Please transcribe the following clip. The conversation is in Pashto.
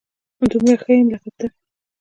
دومره ښه يم لکه ته